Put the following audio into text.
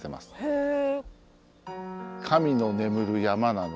へえ。